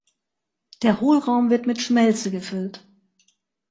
Der Hohlraum wird mit Schmelze gefüllt.